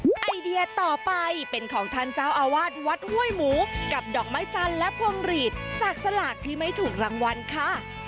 ไอเดียต่อไปเป็นของท่านเจ้าอาวาสวัดห้วยหมูกับดอกไม้จันทร์และพวงหลีดจากสลากที่ไม่ถูกรางวัลค่ะ